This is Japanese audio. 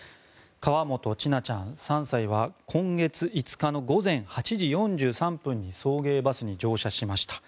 河本千奈ちゃん、３歳は今月５日の午前８時４３分に送迎バスに乗車しました。